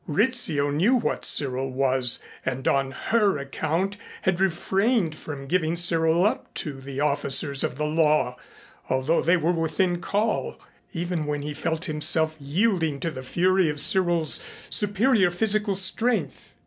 Rizzio knew what Cyril was and on her account had refrained from giving Cyril up to the officers of the law, although they were within call even when he felt himself yielding to the fury of Cyril's superior physical strength.